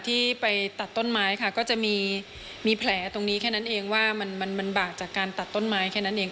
ที่ไปตัดต้นไม้ค่ะก็จะมีแผลตรงนี้แค่นั้นเองว่ามันมันบากจากการตัดต้นไม้แค่นั้นเอง